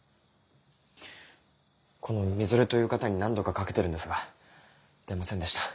この「みぞれ」という方に何度かかけてるんですが出ませんでした。